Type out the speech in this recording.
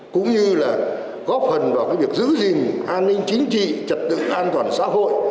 cũng như là góp phần vào việc giữ gìn an ninh chính trị trật tự an toàn xã hội